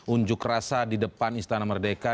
unjuk rasa di depan istana merdeka